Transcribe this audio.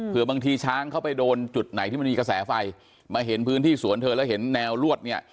เพื่อบางทีช้างเข้าไปโดนจุดไหนที่มันมีกระแสไฟมาเห็นพื้นที่สวนเธอแล้วเห็นแนวลวดเนี่ย